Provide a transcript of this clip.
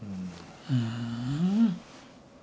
ふん。